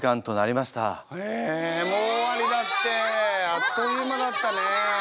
あっという間だったね。